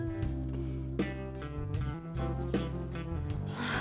はあ。